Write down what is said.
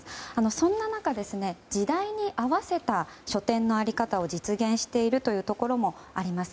そんな中、時代に合わせた書店の在り方を実現しているというところもあります。